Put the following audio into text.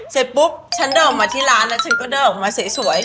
เสร็จปุ๊บฉันเดินออกมาที่ร้านแล้วฉันก็เดินออกมาสวย